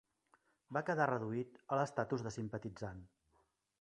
Va quedar reduït a l'estatus de simpatitzant.